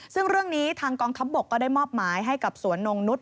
ซึ่งเรื่องนี้ทางกองทัพบกก็ได้มอบหมายให้กับสวนนงนุษย